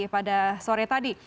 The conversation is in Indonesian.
pada sore tadi